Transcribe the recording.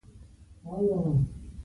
د پوهنتون ژوند د ځان نظم غواړي.